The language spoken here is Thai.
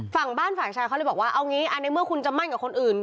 ฝั่งบ้านฝ่ายชายเขาเลยบอกว่าเอางี้ในเมื่อคุณจะมั่นกับคนอื่น